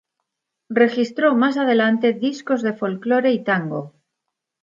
Registró más adelante discos de folklore y tango.